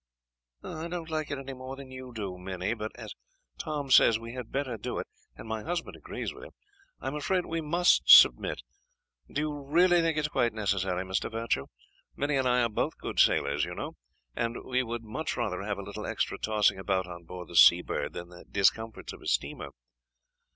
"I do not like it any more than you do, Minnie; but, as Tom says we had better do it, and my husband agrees with him, I am afraid we must submit. Do you really think it is quite necessary, Mr. Virtue? Minnie and I are both good sailors, you know; and we would much rather have a little extra tossing about on board the Seabird than the discomforts of a steamer."